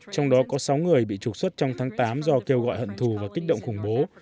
trong đó có sáu người bị trục xuất trong tháng tám do kêu gọi hận thù và kích động khủng bố